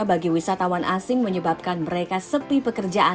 jadi ini membantu memastikan